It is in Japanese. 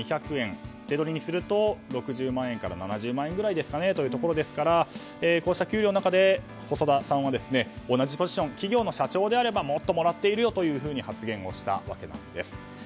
手取りにすると６０から７０万くらいですかねということでこうした給与の中で細田さんは同じポジションの企業の社長ならもっともらっているよと発言したんです。